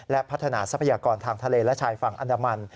และพัฒนาทรัพยากรทางทะเลและชายฝั่งอันดามัน